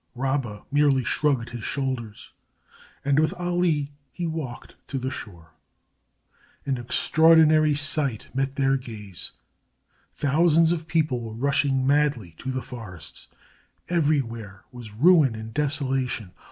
Rabba merely shrugged his shoulders, and with Ali he walked to the shore. An extraordinary sight met their gaze. Thousands of people were rushing madly to the forests. Everywhere was ruin and desolation.